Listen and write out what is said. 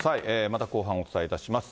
また後半お伝えいたします。